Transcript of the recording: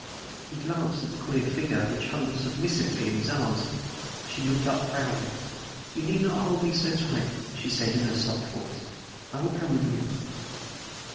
He glanced at the queer figure which hung submissively in his arms. She looked up proudly. "You need not hold me so tight," she said, in her soft voice. "I will come with you."